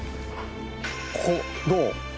ここどう？